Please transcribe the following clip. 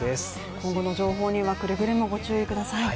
今後の情報にはくれぐれもご注意ください。